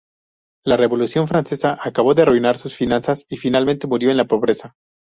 La Revolución francesa acabó de arruinar sus finanzas y finalmente murió en la pobreza.